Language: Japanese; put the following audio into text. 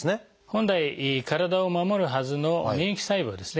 本来体を守るはずの免疫細胞ですね